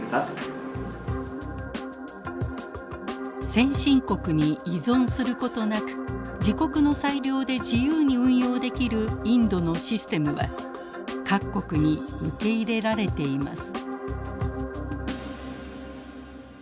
先進国に依存することなく自国の裁量で自由に運用できるインドのシステムは各国に受け入れられています。